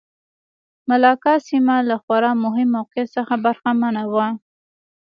ملاکا سیمه له خورا مهم موقعیت څخه برخمنه وه.